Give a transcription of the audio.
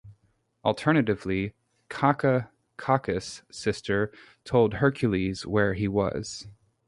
Alternatively, Caca, Cacus' sister, told Hercules where he was.